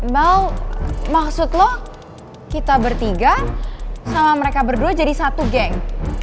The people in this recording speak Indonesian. mau maksud lo kita bertiga sama mereka berdua jadi satu geng